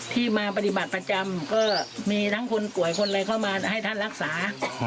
ที่มาปฏิบัติประจำก็มีทั้งคนป่วยคนอะไรเข้ามาให้ท่านรักษา